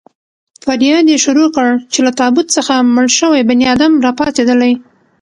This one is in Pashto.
فریاد يې شروع کړ چې له تابوت څخه مړ شوی بنیادم را پاڅېدلی.